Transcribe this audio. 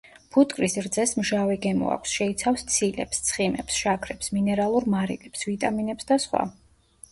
ფუტკრის რძეს მჟავე გემო აქვს, შეიცავს ცილებს, ცხიმებს, შაქრებს, მინერალურ მარილებს, ვიტამინებს და სხვა.